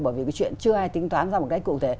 bởi vì cái chuyện chưa ai tính toán ra một cách cụ thể